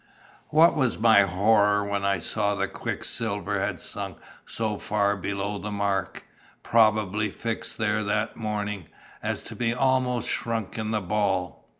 "What was my horror when I saw the quicksilver had sunk so far below the mark, probably fixed there that morning, as to be almost shrunk in the ball!